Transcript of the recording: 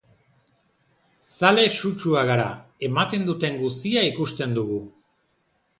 Zale sutsuak gara, ematen duten guztia ikusten dugu.